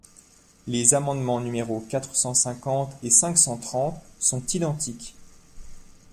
Les amendements numéros quatre cent cinquante et cinq cent trente sont identiques.